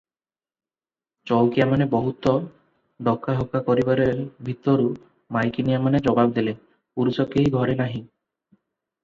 ଚଉକିଆମାନେ ବହୁତ ଡକାହକା କରିବାରେ ଭିତରୁ ମାଇକିନିଆମାନେ ଜବାବ ଦେଲେ, "ପୁରୁଷ କେହି ଘରେ ନାହିଁ ।